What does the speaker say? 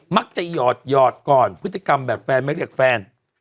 มักจะหยอดหยอดก่อนพฤติกรรมแบบแฟนไม่เรียกแฟน